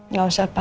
nggak usah pak